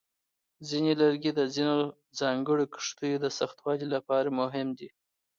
ځینې لرګي د ځینو ځانګړو کښتیو د سختوالي لپاره مهم دي.